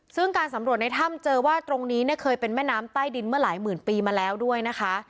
ซึ่งการสำรวจในถ้ำเจอว่าตรงนี้เนี่ยเคยเป็นแม่น้ำใต้ดินเมื่อหลายหมื่นปีมาแล้วด้วยนะคะ